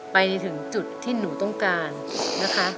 ไปถึงจุดที่หนูต้องการนะคะ